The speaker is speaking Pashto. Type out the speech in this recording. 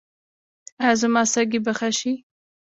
ایا زما سږي به ښه شي؟